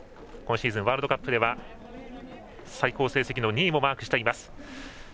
今シーズン、ワールドカップでは最高成績の２位もマークしています。